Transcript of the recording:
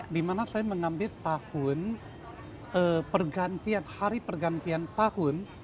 dimana saya mengambil tahun pergantian hari pergantian tahun